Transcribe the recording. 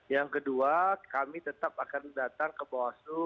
yang kedua kami tetap akan datang ke bawaslu